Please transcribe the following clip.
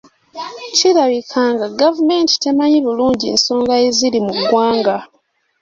Kirabika nga gavumenti temanyi bulungi nsonga eziri mu ggwanga.